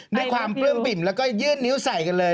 ด้วยความปลื้มปิ่มแล้วก็ยื่นนิ้วใส่กันเลย